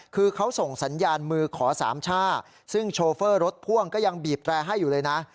คือเขาส่งสัญญาณมือขอสามช่าซึ่งโชเฟอร์รถพ่วงก็ยังบีบแตรให้อยู่เลยนะ